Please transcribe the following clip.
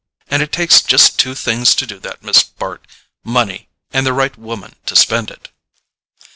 And it takes just two things to do that, Miss Bart: money, and the right woman to spend it."